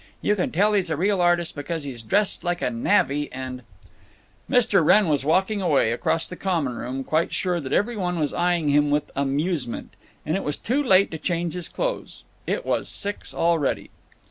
You can tell he's a real artist because he's dressed like a navvy and—" Mr. Wrenn was walking away, across the common room, quite sure that every one was eying him with amusement. And it was too late to change his clothes. It was six already.